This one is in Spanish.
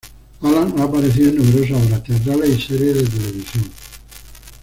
Alan ha aparecido en numerosas obras teatrales y series de televisión.